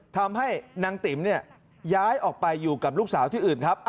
ทำให้นางติ๋มย้ายออกไปอยู่กับลูกสาวที่อื่นครับ